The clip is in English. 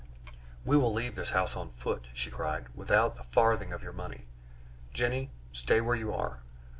"We will leave this house on foot," she cried, "without a farthing of your money. Jenny, stay where you are."